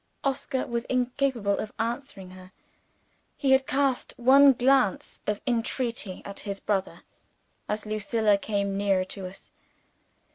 Oscar was incapable of answering her. He had cast one glance of entreaty at his brother as Lucilla came nearer to us.